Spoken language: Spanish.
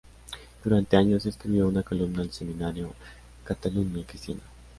Durante años escribió una columna al semanario Catalunya Cristiana.